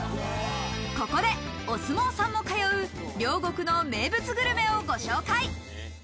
ここでお相撲さんも通う両国の名物グルメを紹介。